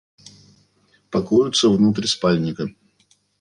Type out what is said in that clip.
Пакуются внутрь спальника.